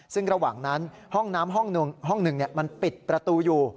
ซึ่งระหว่างนั้นห้องน้ำห้องหนึ่งมันปิดประตูอยู่